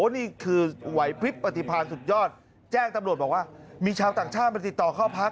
นี่คือไหวพลิบปฏิพันธ์สุดยอดแจ้งตำรวจบอกว่ามีชาวต่างชาติมาติดต่อเข้าพัก